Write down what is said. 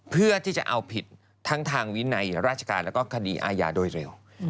เพื่อที่จะเอาผิดทั้งทางวินัยราชการแล้วก็คดีอาญาโดยเร็ว